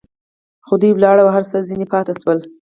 خو دى ولاړ او هر څه ځنې پاته سول.